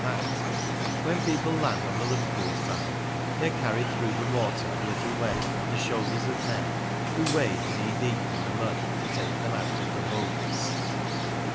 that when people land on the Liverpool side they are carried through the water a little way on the shoulders of men who wade knee deep in the mud to take them put of the boats.